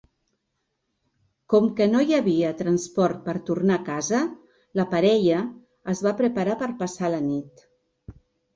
Com que no hi havia transport per tornar a casa, la parella es va preparar per passar la nit.